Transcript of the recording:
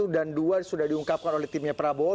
satu dan dua sudah diungkapkan oleh timnya prabowo